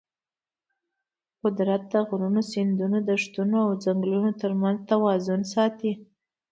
قدرت د غرونو، سیندونو، دښتو او ځنګلونو ترمنځ توازن ساتي.